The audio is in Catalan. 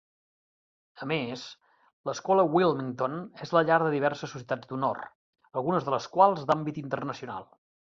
A més, l'escola Wilmington és la llar de diverses societats d'honor, algunes de les quals d'àmbit internacional.